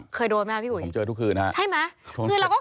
เคยโดนไหมครับพี่อุ๋ยใช่ไหมคืนเราก็เคยสงสัยผมเจอทุกคืนครับ